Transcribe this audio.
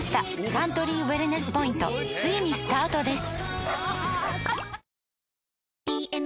サントリーウエルネスポイントついにスタートです！